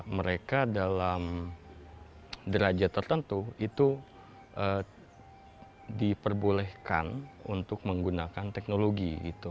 mereka dalam derajat tertentu itu diperbolehkan untuk menggunakan teknologi